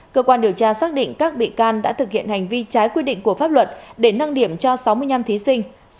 cơ quan điều tra xác định các bị can đã thực hiện hành vi trái quy định của pháp luật để nâng điểm cho sáu mươi năm thí sinh